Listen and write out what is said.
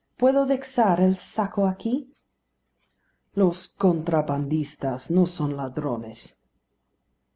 "Puedo dexar el saco aqui?" "Los contrabandistas no son ladrones."